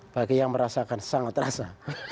bagi yang merasakan sangat terasa